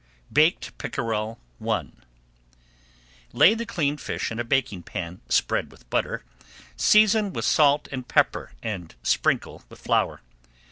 BAKED PICKEREL I Lay the cleaned fish in a baking pan, spread with butter, season with salt and pepper, and sprinkle with flour.